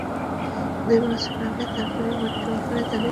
দুই বছর আগে তার পরিবার জোর করে তাকে বিয়ে দিয়ে দেয়।